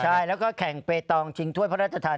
ใช่แล้วก็แข่งเปตองชิงถ้วยพระราชทาน